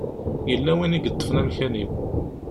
Yella win i yeṭṭfen amkan-iw.